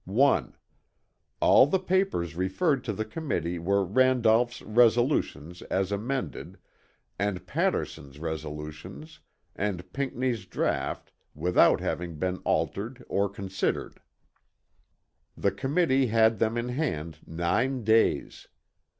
"1. All the papers referred to the committee were Randolph's Resolutions as amended, and Patterson's Resolutions and Pinckney's Draught without having been altered or considered. The committee had them in hand nine days.